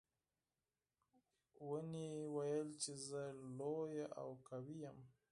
ونې ویل چې زه لویه او قوي یم.